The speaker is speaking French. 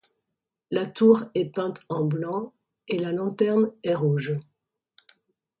La tour est peinte en blanc et la lanterne est rouge.